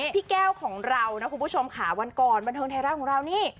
แก้วของเรานะคุณผู้ชมค่ะวันก่อนบันเทิงไทยรัฐของเรานี่